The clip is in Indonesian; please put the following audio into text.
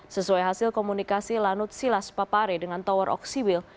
sesuai hasil komunikasi lanut silas papare dengan tower oksibil